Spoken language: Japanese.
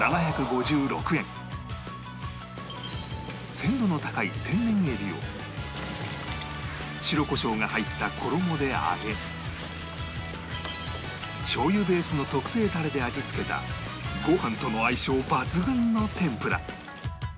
鮮度の高い天然エビを白コショウが入った衣で揚げしょうゆベースの特製タレで味付けたご飯との相性抜群の天ぷら